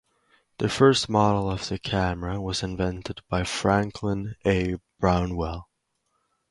The first model of the camera was invented by Frank A. Brownell.